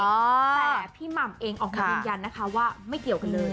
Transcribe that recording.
แต่พี่หม่ำเองออกมายืนยันนะคะว่าไม่เกี่ยวกันเลย